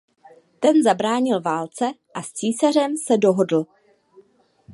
Ten zabránil válce a s císařem se dohodl.